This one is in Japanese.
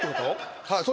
はい。